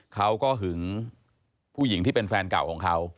หึงผู้หญิงที่เป็นแฟนเก่าของเขา